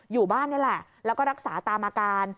อยู่บ้านนี่แหละแล้วก็รักษาตามอาการ